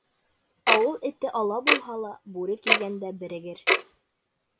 Ауыл эте ала булһа ла, бүре килгәндә, берегер.